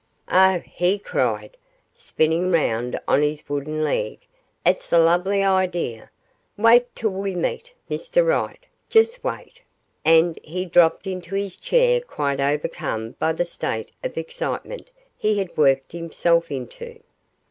'Oh!' he cried, spinning round on his wooden leg, 'it's a lovely idea. Wait till we meet "Mr Right", just wait,' and he dropped into his chair quite overcome by the state of excitement he had worked himself into.